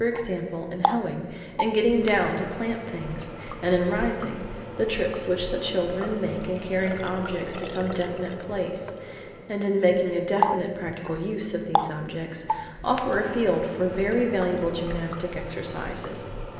example, in hoeing, in getting down to plant things, and in rising; the trips which children make in carrying objects to some definite place, and in making a definite practical use of these objects, offer a field for very valuable gymnastic exercises.